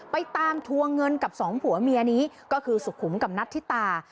ไปตามทวงเงินกับสองผัวเมียนี้ก็คือสุขุมกับนัทธิตา